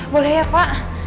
boleh ya pak